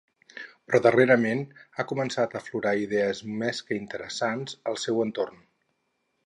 Però darrerament han començat a aflorar idees més que interessants al seu entorn.